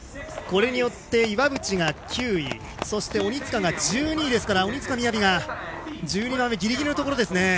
これによって岩渕が９位そして鬼塚が１２位ですから鬼塚雅が１２番目ギリギリのところですね。